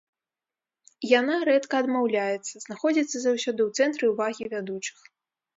Яна рэдка адмаўляецца, знаходзіцца заўсёды ў цэнтры ўвагі вядучых.